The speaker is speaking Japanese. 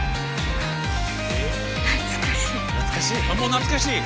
懐かしい。